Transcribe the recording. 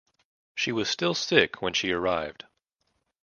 She was still sick when she arrived.